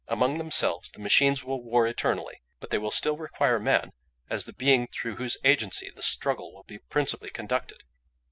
Among themselves the machines will war eternally, but they will still require man as the being through whose agency the struggle will be principally conducted.